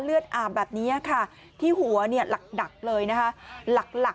เลือดอาบแบบนี้ค่ะที่หัวหลักดักเลยนะคะ